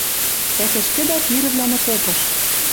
Тӓ кӹшкӹдӓ пирӹвлӓн окопыш